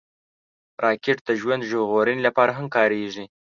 راکټ د ژوند ژغورنې لپاره هم کارېږي